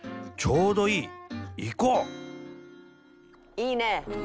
「いいね！」